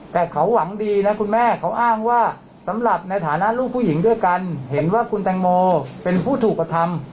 แต่เขาหวังดีนะคุณแม่เขาอ้างว่าสำหรับในฐานะลูกผู้หญิงด้วยกันเห็นว่าคุณแตงโมเป็นผู้ถูกกระทำ